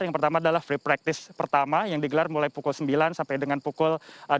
yang pertama adalah free practice pertama yang digelar mulai pukul sembilan sampai dengan pukul